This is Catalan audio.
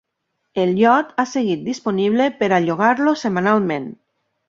El iot ha seguit disponible per a llogar-lo setmanalment.